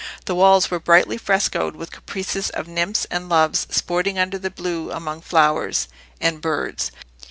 The walls were brightly frescoed with "caprices" of nymphs and loves sporting under the blue among flowers and birds.